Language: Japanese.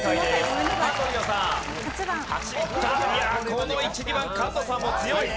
この１２番菅野さんも強い。